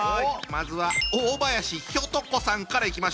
まずは大林ひょと子さんからいきましょう。